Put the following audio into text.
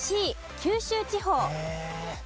九州地方。